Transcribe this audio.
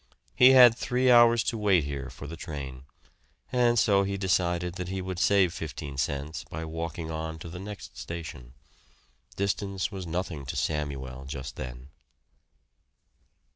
He had three hours to wait here for the train, and so he decided that he would save fifteen cents by walking on to the next station. Distance was nothing to Samuel just then.